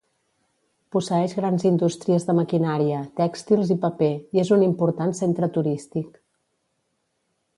Posseeix grans indústries de maquinària, tèxtils i paper, i és un important centre turístic.